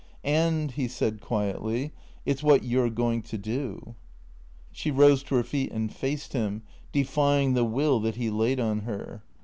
And," he said quietly, " it 's what you 'rf going to do." She rose to her feet and faced him, defying the will that h( laid on her.